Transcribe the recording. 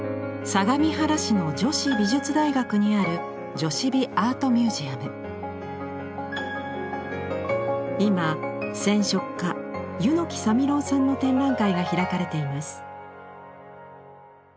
相模原市の女子美術大学にある今染色家柚木沙弥郎さんの展覧会が開かれています。